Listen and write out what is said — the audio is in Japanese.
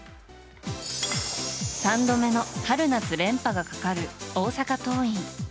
３度目の春夏連覇がかかる大阪桐蔭。